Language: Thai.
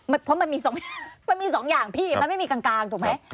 เพราะมันมีสองอย่างพี่มันไม่มีกลางถูกไหม